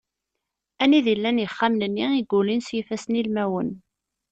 Anida i llan yixxamen-nni i yulin s yifasssen ilmawen.